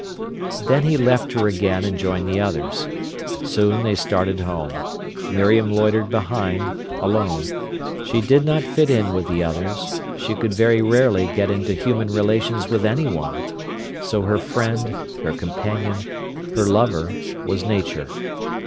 Then he left her again and joined the others. Soon they started home. Miriam loitered behind, alone. She did not fit in with the others; she could very rarely get into human relations with anyone: so her friend, her companion, her lover, was Nature.